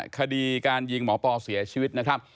คดีการยิงหมอปอเสียชีวิตนะครับ